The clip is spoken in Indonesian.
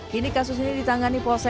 kini kasus ini ditangani polsek